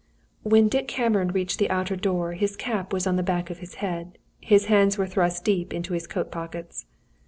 When Dick Cameron reached the outer door his cap was on the back of his head, his hands were thrust deep into his coat pockets.